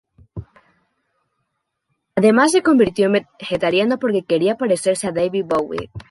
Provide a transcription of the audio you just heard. Además, se convirtió en vegetariano porque quería parecerse a David Bowie.